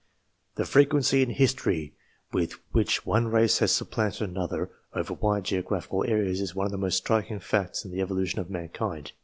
The frequency in history with which one race has sup planted another over wide geographical areas is one of the most striking facts in the evolution of mankind.